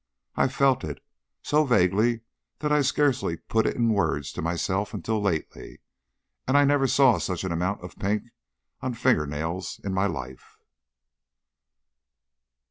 "I felt it. So vaguely that I scarcely put it in words to myself until lately. And I never saw such an amount of pink on finger nails in my life."